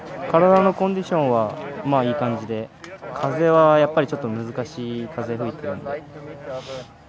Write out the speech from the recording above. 体のコンディションはいい感じで風はやっぱりちょっと難しい風だと思います。